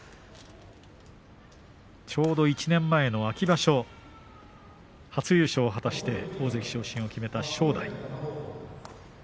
ちょうど１年前の秋場所初優勝を果たして大関昇進を決めた正代。